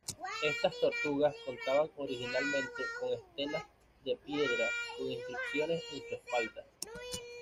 Estas tortugas contaban originalmente con estelas de piedra con inscripciones en su espalda.